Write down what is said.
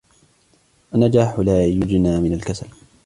النجاح لا يُجنى من الكسل.